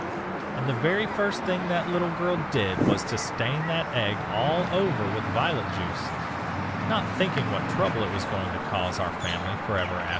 And the very first thing that little girl did was to stain that egg all over with violet juice, not thinking what trouble it was going to cause our family forever after."